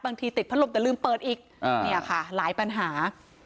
ติดพัดลมแต่ลืมเปิดอีกเนี่ยค่ะหลายปัญหา